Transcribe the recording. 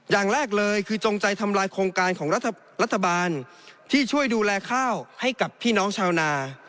อย่างแรกเลยคือจงใจทำลายโครงการของรัฐบาลที่ช่วยดูแลข้าวให้กับพี่น้องชาวนา